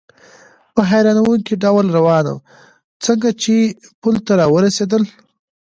په حیرانوونکي ډول روان و، څنګه چې پل ته را ورسېدل.